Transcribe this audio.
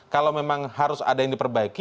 kalau memang harus ada yang diperbaiki